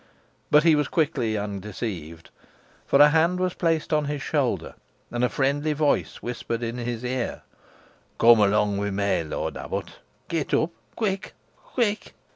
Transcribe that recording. But he was quickly undeceived, for a hand was placed on his shoulder, and a friendly voice whispered in his ears, "Cum along wi' meh, lort abbut. Get up, quick quick!"